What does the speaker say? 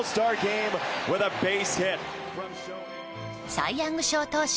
サイ・ヤング賞投手